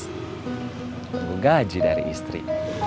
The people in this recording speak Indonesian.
tunggu gaji dari istri